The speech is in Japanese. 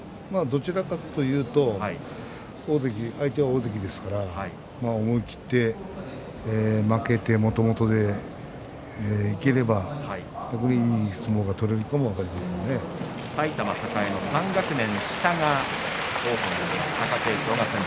どちらかというと相手は大関ですので思い切って負けてもともとでいければいい相撲が取れるかもしれません。